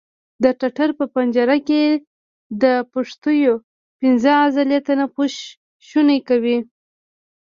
د ټټر په پنجره کې د پښتیو منځ عضلې تنفس شونی کوي.